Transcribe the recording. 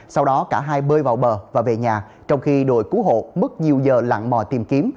sau đó cả hai bơi vào bờ và về nhà trong khi đội cứu hộ mất nhiều giờ lặn mò tìm kiếm